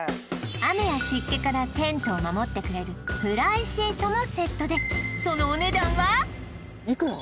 雨や湿気からテントを守ってくれるフライシートもセットでそのいくら？